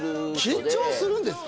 緊張するんですか？